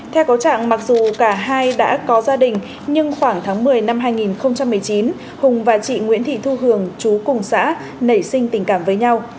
theo cáo trạng mặc dù cả hai đã có gia đình nhưng khoảng tháng một mươi năm hai nghìn một mươi chín hùng và chị nguyễn thị thu hường chú cùng xã nảy sinh tình cảm với nhau